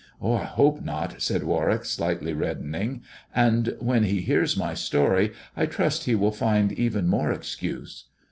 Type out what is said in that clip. "I hope. not," said Warwick, slightly reddening ; "and when he hears my story I trust he will find even more excuse.